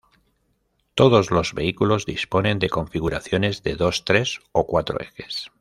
Todos los vehículos disponen de configuraciones de dos, tres o cuatro ejes.